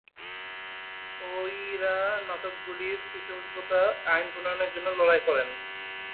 ওড়িয়া নাটকগুলির পৃষ্ঠপোষকতা আইন প্রণয়নের জন্য লড়াই করেন।